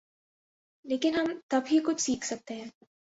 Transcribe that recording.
لیکن ہم تب ہی کچھ سیکھ سکتے ہیں۔